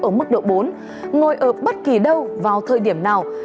ở mức độ bốn ngồi ở bất kỳ đâu vào thời điểm nào